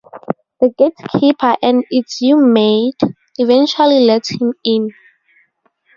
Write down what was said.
The gatekeeper, an "Itsumade", eventually lets him in.